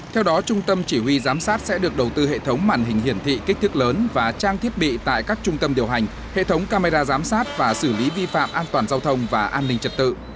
theo đó trung tâm chỉ huy giám sát sẽ được đầu tư hệ thống màn hình hiển thị kích thước lớn và trang thiết bị tại các trung tâm điều hành hệ thống camera giám sát và xử lý vi phạm an toàn giao thông và an ninh trật tự